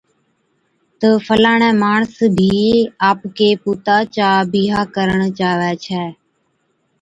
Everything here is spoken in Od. تہ فلاڻي ماڻس ڀِي آپڪي پُوتا چا بِيھا ڪرڻ چاھَوي ڇَي